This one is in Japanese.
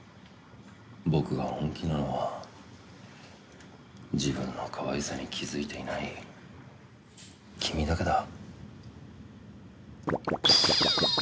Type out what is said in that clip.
僕が本気なのは自分のかわいさに気づいていない君だけだ。